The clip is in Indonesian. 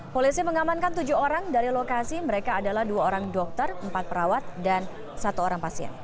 polisi mengamankan tujuh orang dari lokasi mereka adalah dua orang dokter empat perawat dan satu orang pasien